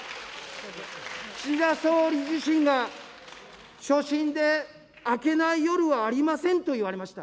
岸田総理自身が、所信で明けない夜はありませんと言われました。